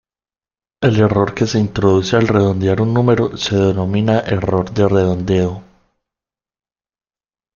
El error que se introduce al redondear un número se denomina error de redondeo.